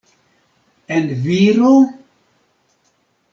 En viro?